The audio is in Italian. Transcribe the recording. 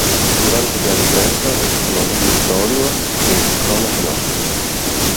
Durante gli anni trenta escono "Il Littorio", e "Cronache Nostre".